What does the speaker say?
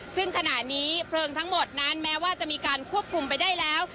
ซึ่งขณะนี้เพลิงทั้งหมดนั้นแม้ว่าจะมีการควบคุมไปได้แล้ว